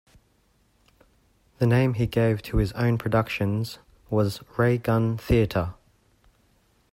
The name he gave to his own productions was "Ray Gun Theater".